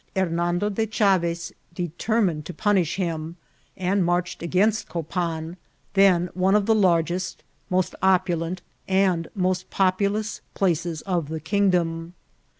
Hernando de Chaves determined to pun* ish hinii and marched against Copan, then one of the largest, most c^ulent, and most populous places <rf the kingdom.